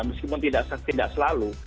meskipun tidak selalu